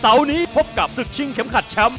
นี้พบกับศึกชิงเข็มขัดแชมป์